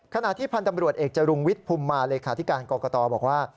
ขณะที่พันธ์ตำรวจเอกจรุงวิทย์ภูมิมาเลขาธิการกรกตบอกว่า